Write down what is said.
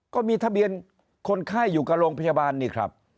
ก็มีทะเบียนคนไข้อยู่กับโรงพยาบาลนี่ครับ